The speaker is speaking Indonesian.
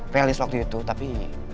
v list waktu itu tapi